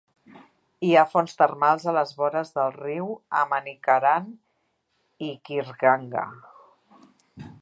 Hi ha fonts termals a les vores del riu a Manikaran i Khirganga.